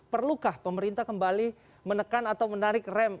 perlukah pemerintah kembali menekan atau menarik rem